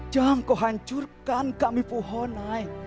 jangan kau hancurkan kami puhonai